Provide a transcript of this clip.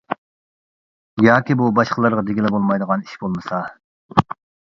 ياكى بۇ باشقىلارغا دېگىلى بولمايدىغان ئىش بولمىسا.